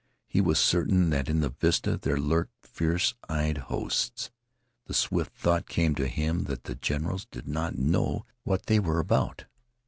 He was certain that in this vista there lurked fierce eyed hosts. The swift thought came to him that the generals did not know what they were about.